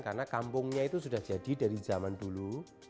karena kampungnya itu sudah jadi dari zaman dulu